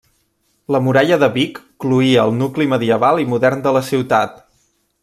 La muralla de Vic cloïa el nucli medieval i modern de la ciutat.